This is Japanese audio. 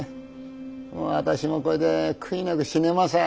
私もこれで悔いなく死ねます。